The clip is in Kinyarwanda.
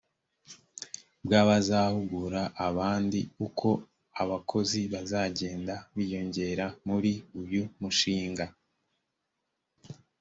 bw abazahugura abandi uko abakozi bazagenda biyongera muri uyu mushinga